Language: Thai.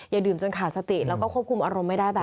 ดื่มจนขาดสติแล้วก็ควบคุมอารมณ์ไม่ได้แบบ